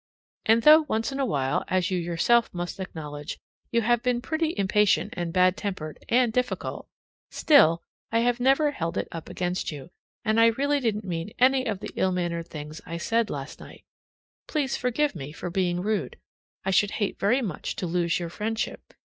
And though once in a while, as you yourself must acknowledge, you have been pretty impatient and bad tempered and difficult, still I have never held it up against you, and I really didn't mean any of the ill mannered things I said last night. Please forgive me for being rude. I should hate very much to lose your friendship.